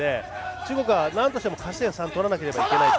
中国はなんとしても勝ち点３を取らなきゃいけない。